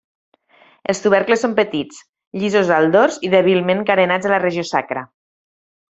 Els tubercles són petits, llisos al dors i dèbilment carenats a la regió sacra.